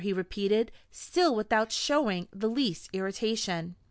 he repeated, still without showing the least irritation.